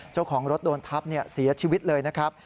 เจ้าของรถโดนทับเสียชีวิตเลยนะครับ